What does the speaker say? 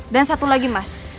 dan satu lagi mas